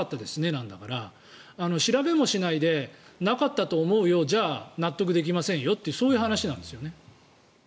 なんだから調べもしないでなかったと思うよじゃ納得できませんよっていう話なんですよね。